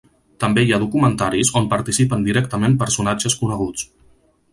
També hi ha documentaris on participen directament personatges coneguts.